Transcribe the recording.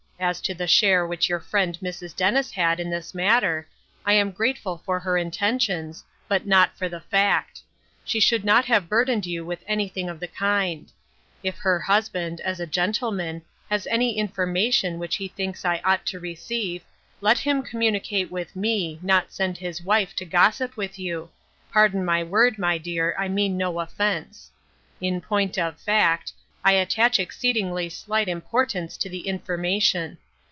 As to the share which your friend Mrs. Dennis had in' this matter, I am grateful for her intentions, but not for the fact. She should not have burdened you with anything of the kind. If her husband, DRIFTING. 65 as a gentleman, has any information which he thinks I ought to receive, let him communicate with me, not send his wife to gossip with you ; pardon the word, my dear, I mean no offense. In point of fact, I attach exceedingly slight impor tance to the information.